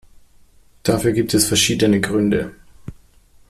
Dafür gibt es verschiedene Gründe.